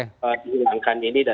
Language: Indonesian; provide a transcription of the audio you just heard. hilangkan ini dan